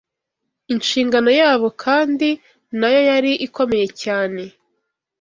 Inshingano yabo kandi nayo yari ikomeye cyane